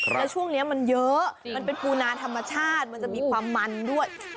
แล้วช่วงนี้มันเยอะมันเป็นปูนาธรรมชาติมันจะมีความมันด้วย